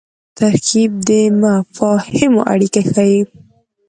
ترکیب د مفاهیمو اړیکه ښيي.